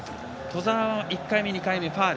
兎澤は１回目、２回目ファウル。